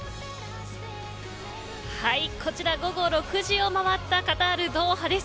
こちら午後６時を回ったカタール、ドーハです。